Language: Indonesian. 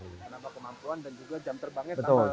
menambah kemampuan dan juga jam terbangnya sama